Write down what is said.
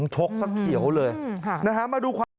ชกท้องเขียวเลยมาดูความรู้สึกขึ้น